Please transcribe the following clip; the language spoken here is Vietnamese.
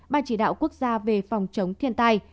ban chỉ đạo quốc gia về phòng chống thiên tai